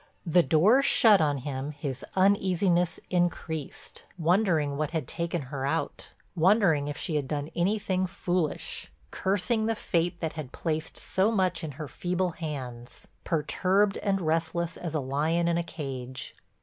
The door shut on him, his uneasiness increased; wondering what had taken her out, wondering if she had done anything foolish, cursing the fate that had placed so much in her feeble hands, perturbed and restless as a lion in a cage.